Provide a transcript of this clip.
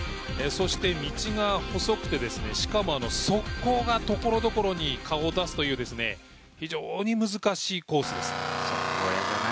そして、道が細くてしかも側溝が所々に顔を出すという非常に難しいコースです。